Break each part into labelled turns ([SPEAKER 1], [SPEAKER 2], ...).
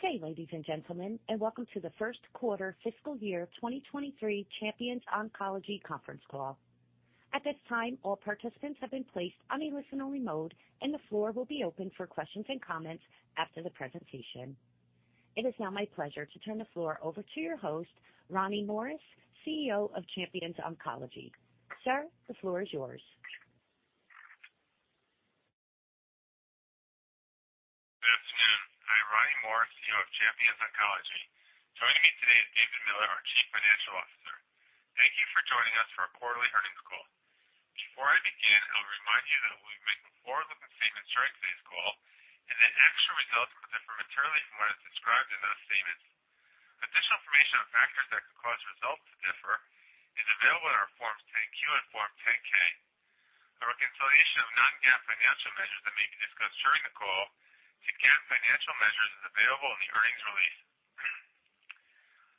[SPEAKER 1] Good day, ladies and gentlemen, and welcome to the first quarter fiscal year 2023 Champions Oncology Conference Call. At this time, all participants have been placed on a listen only mode, and the floor will be open for questions and comments after the presentation. It is now my pleasure to turn the floor over to your host, Ronnie Morris, CEO of Champions Oncology. Sir, the floor is yours.
[SPEAKER 2] Good afternoon. I'm Ronnie Morris, CEO of Champions Oncology. Joining me today is David Miller, our Chief Financial Officer. Thank you for joining us for our quarterly earnings call. Before I begin, I'll remind you that we make forward-looking statements during today's call and that actual results could differ materially from what is described in those statements. Additional information on factors that could cause results to differ is available in our forms 10-Q and 10-K. A reconciliation of non-GAAP financial measures that may be discussed during the call to GAAP financial measures is available in the earnings release.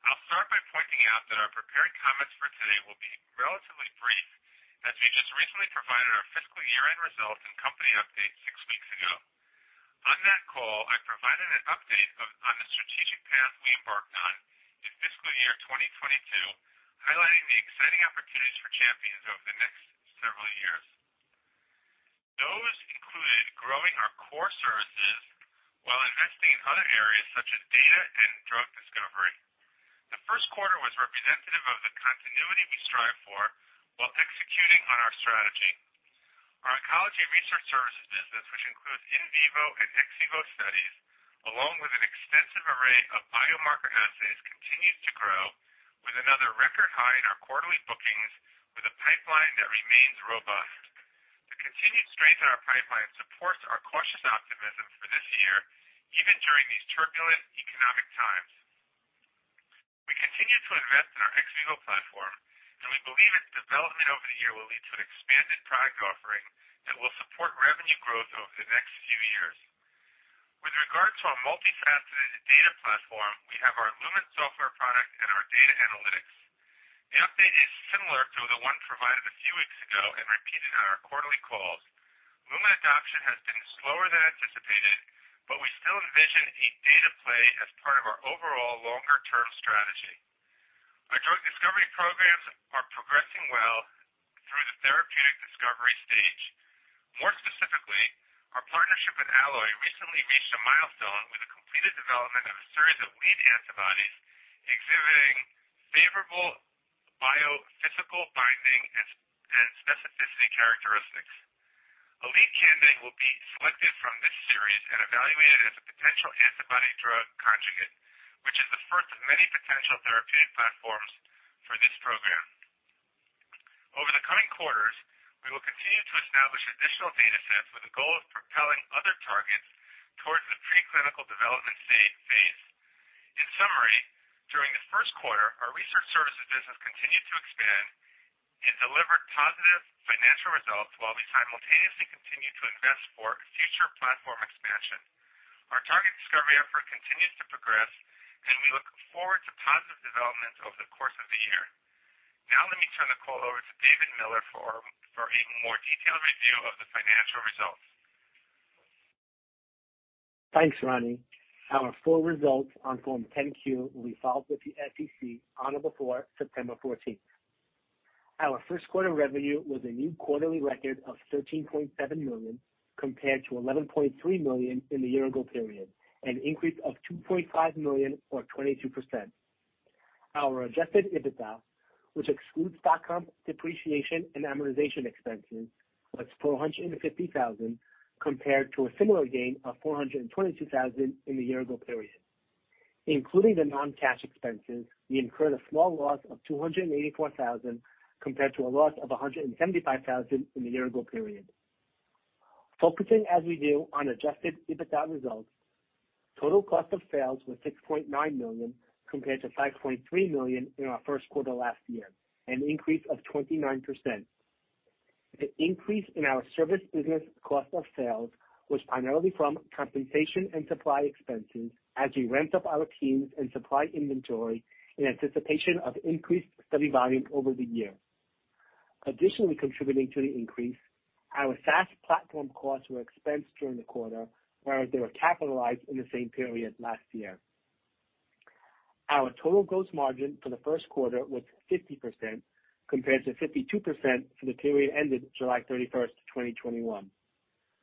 [SPEAKER 2] I'll start by pointing out that our prepared comments for today will be relatively brief as we just recently provided our fiscal year-end results and company update six weeks ago. On that call, I provided an update on the strategic path we embarked on in fiscal year 2022, highlighting the exciting opportunities for Champions over the next several years. Those included growing our core services while investing in other areas such as data and drug discovery. The first quarter was representative of the continuity we strive for while executing on our strategy. Our oncology research services business, which includes in vivo and ex vivo studies, along with an extensive array of biomarker assays, continues to grow with another record high in our quarterly bookings with a pipeline that remains robust. The continued strength in our pipeline supports our cautious optimism for this year even during these turbulent economic times. We continue to invest in our ex vivo platform, and we believe its development over the year will lead to an expanded product offering that will support revenue growth over the next few years. With regard to our multifaceted data platform, we have our Lumin software product and our data analytics. The update is similar to the one provided a few weeks ago and repeated on our quarterly calls. Lumin adoption has been slower than anticipated, but we still envision a data play as part of our overall longer-term strategy. Our drug discovery programs are progressing well through the therapeutic discovery stage. More specifically, our partnership with Alloy recently reached a milestone with the completed development of a series of lead antibodies exhibiting favorable biophysical binding and specificity characteristics. A lead candidate will be selected from this series and evaluated as a potential antibody drug conjugate, which is the first of many potential therapeutic platforms for this program. Over the coming quarters, we will continue to establish additional data sets with the goal of propelling other targets towards the pre-clinical development stage. In summary, during the first quarter, our research services business continued to expand and deliver positive financial results while we simultaneously continued to invest for future platform expansion. Our target discovery effort continues to progress, and we look forward to positive developments over the course of the year. Now let me turn the call over to David Miller for a more detailed review of the financial results.
[SPEAKER 3] Thanks, Ronnie. Our full results on Form 10-Q will be filed with the SEC on or before September fourteenth. Our first quarter revenue was a new quarterly record of $13.7 million compared to $11.3 million in the year ago period, an increase of $2.5 million or 22%. Our Adjusted EBITDA, which excludes non-cash depreciation and amortization expenses, was $450,000, compared to a similar gain of $422,000 in the year ago period. Including the non-cash expenses, we incurred a small loss of $284,000, compared to a loss of $175,000 in the year ago period. Focusing as we do on Adjusted EBITDA results, total cost of sales was $6.9 million, compared to $5.3 million in our first quarter last year, an increase of 29%. The increase in our service business cost of sales was primarily from compensation and supply expenses as we ramped up our teams and supply inventory in anticipation of increased study volume over the year. Additionally, contributing to the increase, our SaaS platform costs were expensed during the quarter, whereas they were capitalized in the same period last year. Our total gross margin for the first quarter was 50%, compared to 52% for the period ended July 31, 2021.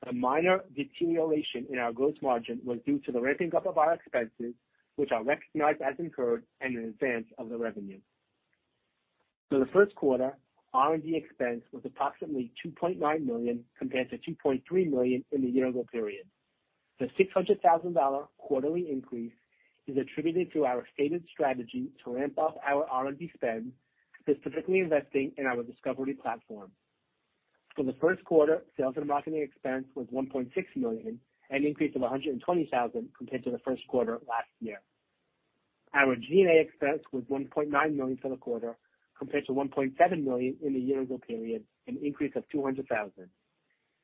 [SPEAKER 3] A minor deterioration in our gross margin was due to the ramping up of our expenses, which are recognized as incurred and in advance of the revenue. For the first quarter, R&D expense was approximately $2.9 million, compared to $2.3 million in the year ago period. The $600,000 quarterly increase is attributed to our stated strategy to ramp up our R&D spend, specifically investing in our discovery platform. For the first quarter, sales and marketing expense was $1.6 million, an increase of $120,000 compared to the first quarter last year. Our G&A expense was $1.9 million for the quarter, compared to $1.7 million in the year ago period, an increase of $200,000.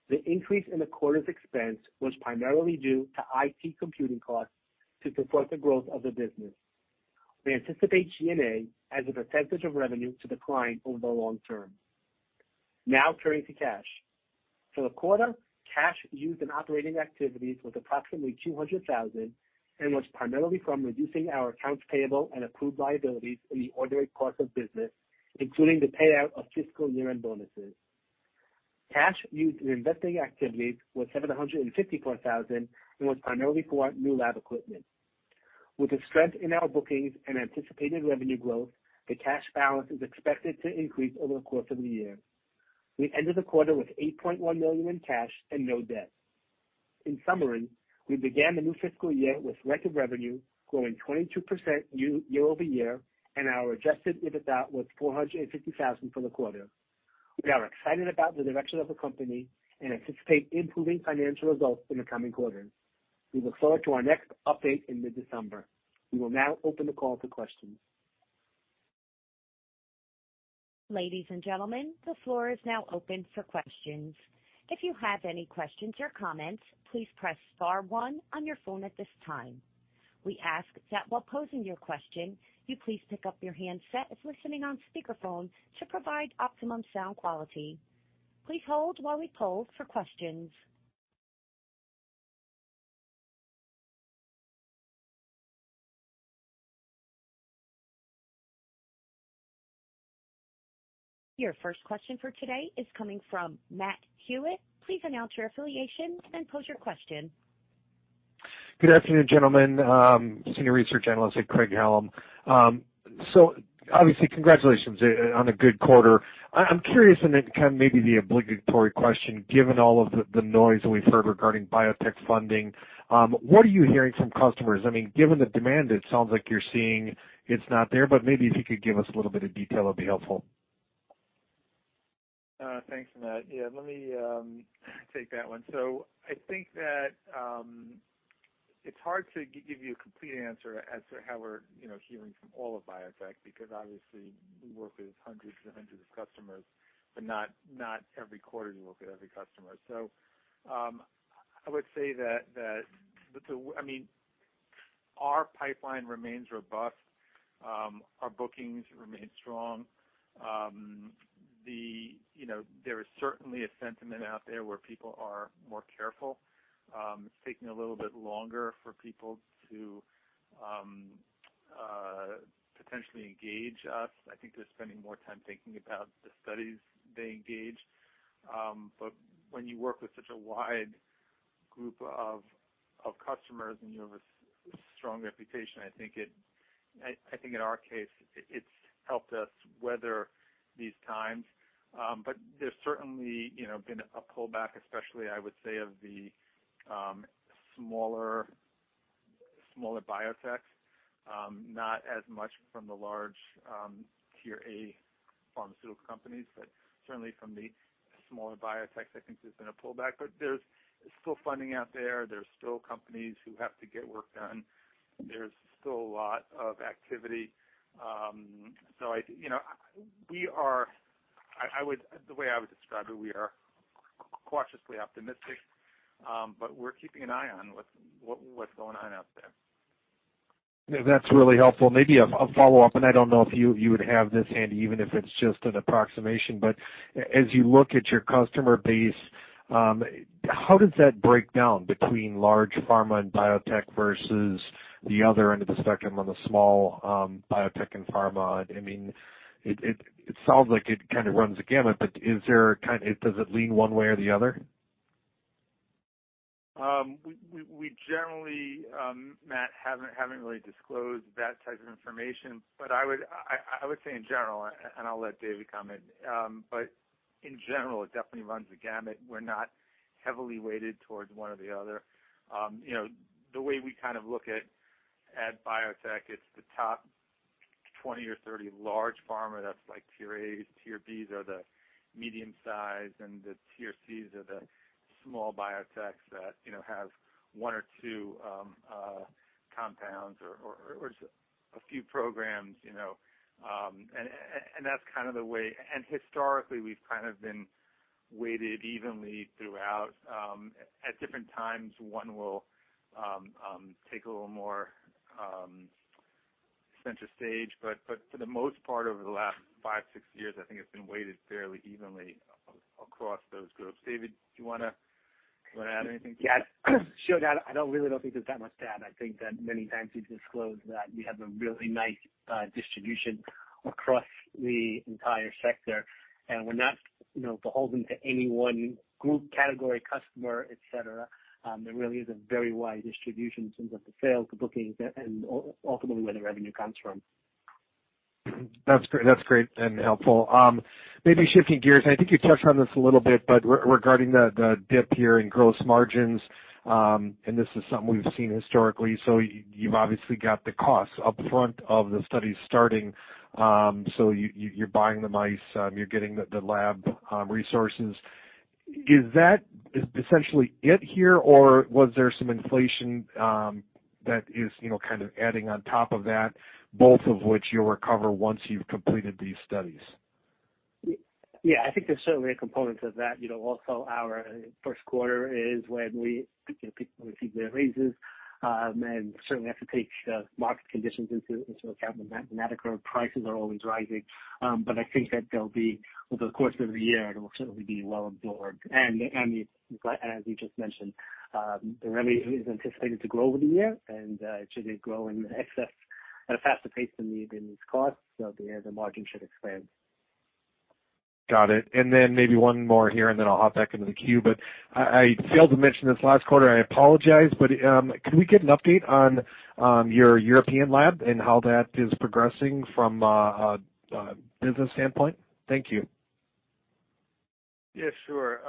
[SPEAKER 3] The increase in the quarter's expense was primarily due to IT computing costs to support the growth of the business. We anticipate G&A as a percentage of revenue to decline over the long term. Now turning to cash. For the quarter, cash used in operating activities was approximately $200,000 and was primarily from reducing our accounts payable and accrued liabilities in the ordinary course of business, including the payout of fiscal year-end bonuses. Cash used in investing activities was $754,000 and was primarily for new lab equipment. With the strength in our bookings and anticipated revenue growth, the cash balance is expected to increase over the course of the year. We ended the quarter with $8.1 million in cash and no debt. In summary, we began the new fiscal year with record revenue growing 22% year-over-year, and our Adjusted EBITDA was $450,000 for the quarter. We are excited about the direction of the company and anticipate improving financial results in the coming quarters. We look forward to our next update in mid-December. We will now open the call to questions.
[SPEAKER 1] Ladies and gentlemen, the floor is now open for questions. If you have any questions or comments, please press star one on your phone at this time. We ask that while posing your question, you please pick up your handset if listening on speakerphone to provide optimum sound quality. Please hold while we poll for questions. Your first question for today is coming from Matthew Hewitt. Please announce your affiliation and pose your question.
[SPEAKER 4] Good afternoon, gentlemen, Senior Research Analyst at Craig-Hallum. Obviously, congratulations on a good quarter. I'm curious, and it can maybe be obligatory question, given all of the noise we've heard regarding biotech funding, what are you hearing from customers? I mean, given the demand, it sounds like you're seeing it's not there, but maybe if you could give us a little bit of detail, it'd be helpful.
[SPEAKER 2] Thanks, Matt. Yeah, let me take that one. I think that it's hard to give you a complete answer as to how we're hearing from all of biotech because obviously we work with hundreds and hundreds of customers, but not every quarter you work with every customer. I would say that I mean, our pipeline remains robust. Our bookings remain strong. You know, there is certainly a sentiment out there where people are more careful. It's taking a little bit longer for people to potentially engage us. I think they're spending more time thinking about the studies they engage. When you work with such a wide group of customers and you have a strong reputation, I think in our case, it's helped us weather these times. There's certainly, you know, been a pullback, especially I would say, of the smaller biotechs, not as much from the large tier A pharmaceutical companies, but certainly from the smaller biotechs. I think there's been a pullback. There's still funding out there. There's still companies who have to get work done. There's still a lot of activity. I, you know, The way I would describe it, we are cautiously optimistic, but we're keeping an eye on what's going on out there.
[SPEAKER 4] That's really helpful. Maybe a follow-up, and I don't know if you would have this handy, even if it's just an approximation. As you look at your customer base, how does that break down between large pharma and biotech versus the other end of the spectrum on the small biotech and pharma? I mean, it sounds like it kinda runs the gamut, but does it lean one way or the other?
[SPEAKER 2] We generally, Matthew, haven't really disclosed that type of information, but I would say in general, and I'll let David comment. In general, it definitely runs the gamut. We're not heavily weighted towards one or the other. You know, the way we look at biotech, it's the top 20 or 30 large pharma that's like tier A's. Tier B's are the medium-sized, and the tier C's are the small biotechs that, you know, have one or two compounds or a few programs, you know. And that's kind of the way. Historically, we've kind of been weighted evenly throughout. At different times, one will take a little more center stage. for the most part, over the last five, six years, I think it's been weighted fairly evenly across those groups. David, do you wanna add anything?
[SPEAKER 3] Yeah. Sure, Matthew. I don't really think there's that much to add. I think that many times we've disclosed that we have a really nice distribution across the entire sector, and we're not, you know, beholden to any one group, category, customer, et cetera. There really is a very wide distribution in terms of the sales, the bookings, and ultimately where the revenue comes from.
[SPEAKER 4] That's great. That's great and helpful. Maybe shifting gears, and I think you touched on this a little bit, but regarding the dip here in gross margins, and this is something we've seen historically. You've obviously got the costs up front of the studies starting, so you're buying the mice, you're getting the lab resources. Is that essentially it here, or was there some inflation that is, you know, kind of adding on top of that, both of which you'll recover once you've completed these studies?
[SPEAKER 3] Yeah, I think there's certainly a component of that. You know, also our first quarter is when people receive their raises, and certainly have to take market conditions into account. Medical prices are always rising. I think that there'll be, over the course of the year, it will certainly be well absorbed. As you just mentioned, the revenue is anticipated to grow over the year and it should grow in excess at a faster pace than these costs. At the end, the margin should expand.
[SPEAKER 4] Got it. Maybe one more here, and then I'll hop back into the queue. I failed to mention this last quarter, I apologize, but can we get an update on your European lab and how that is progressing from a business standpoint? Thank you.
[SPEAKER 2] Yeah, sure.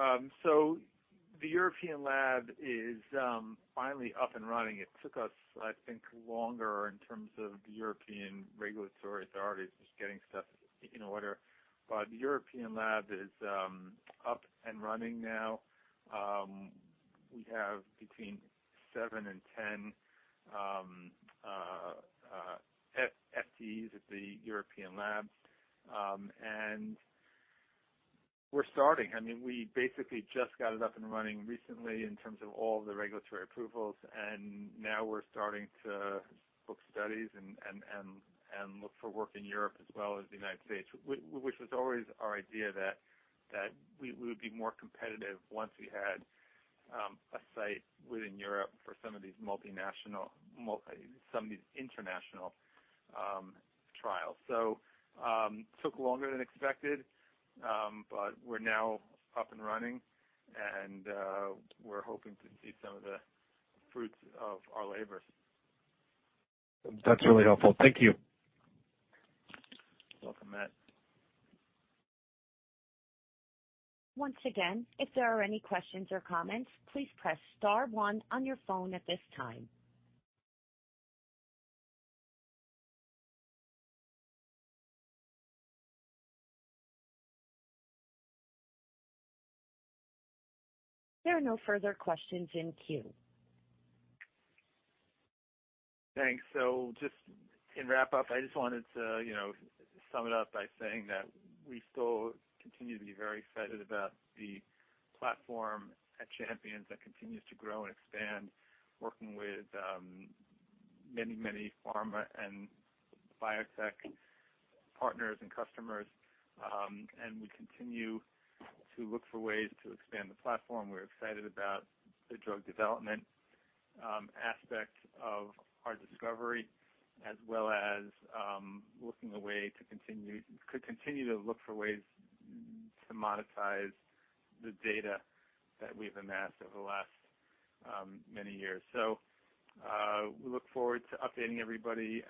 [SPEAKER 2] So the European lab is finally up and running. It took us, I think, longer in terms of the European regulatory authorities just getting stuff in order. The European lab is up and running now. We have between seven and 10 FTEs at the European lab. We're starting. I mean, we basically just got it up and running recently in terms of all the regulatory approvals, and now we're starting to book studies and look for work in Europe as well as the United States, which was always our idea that we would be more competitive once we had a site within Europe for some of these international trials. Took longer than expected, but we're now up and running and we're hoping to see some of the fruits of our labor.
[SPEAKER 4] That's really helpful. Thank you.
[SPEAKER 2] You're welcome, Matt.
[SPEAKER 1] Once again, if there are any questions or comments, please press star one on your phone at this time. There are no further questions in queue.
[SPEAKER 2] Thanks. Just in wrap up, I just wanted to, you know, sum it up by saying that we still continue to be very excited about the platform at Champions that continues to grow and expand, working with, many, many pharma and biotech partners and customers. We continue to look for ways to expand the platform. We're excited about the drug development aspect of our discovery, as well as looking for a way to continue to look for ways to monetize the data that we've amassed over the last, many years. We look forward to updating everybody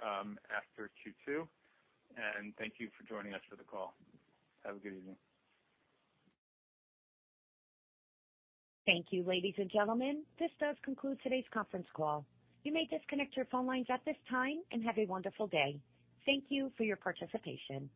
[SPEAKER 2] after Q2. Thank you for joining us for the call. Have a good evening.
[SPEAKER 1] Thank you, ladies and gentlemen. This does conclude today's conference call. You may disconnect your phone lines at this time and have a wonderful day. Thank you for your participation.